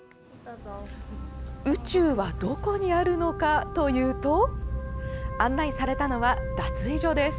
宇宙はどこにあるのかというと案内されたのは、脱衣所です。